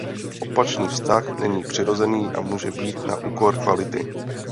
Opačný vztah není přirozený a může být na úkor kvality.